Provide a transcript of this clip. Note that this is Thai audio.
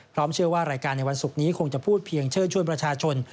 เชื่อว่ารายการในวันศุกร์นี้คงจะพูดเพียงเชิญชวนประชาชน